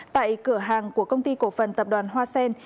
tại cửa hàng của công ty cổ phần tập đoàn hoa sen